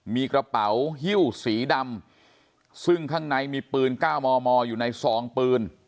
มีกระเป๋าฮิ้วสีดำซึ่งข้างในมีปืน๙มมอยู่ในซองปืน